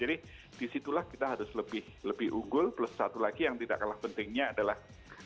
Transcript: jadi disitulah kita harus lebih unggul plus satu lagi yang tidak kalah pentingnya adalah